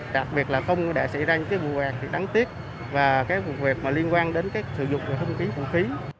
đặc biệt là không để xảy ra những cái vụ hoạt thì đáng tiếc và cái vụ việc mà liên quan đến cái sử dụng của hung khí vũ khí